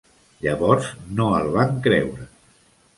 Llavors, no el van creure.